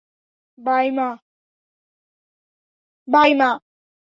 By, মা!